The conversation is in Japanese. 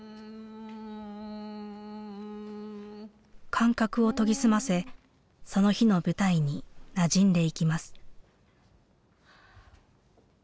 感覚を研ぎ澄ませその日の舞台になじんでいきます。